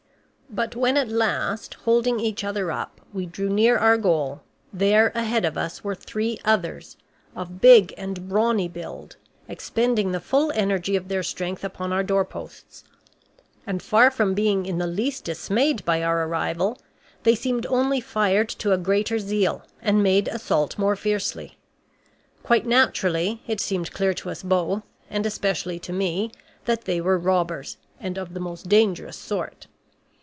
But when at last, holding each other up, we drew near our goal, there ahead of us were three others, of big and brawny build, expending the full energy of their strength upon our doorposts. And far from being in the least dismayed by our arrival, they seemed only fired to a greater zeal and made assault more fiercely. Quite naturally, it seemed clear to us both, and especially to me, that they were robbers, and of the most dangerous sort.